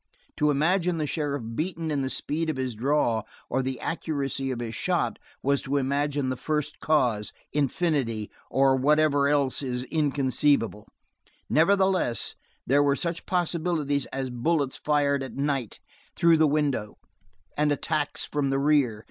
To imagine the sheriff beaten in the speed of his draw or the accuracy of his shot was to imagine the First Cause, Infinity, or whatever else is inconceivable; nevertheless, there were such possibilities as bullets fired at night through the window, and attacks from the rear.